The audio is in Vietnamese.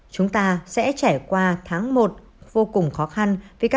chúng ta sẽ trải qua tháng một vô cùng khó khăn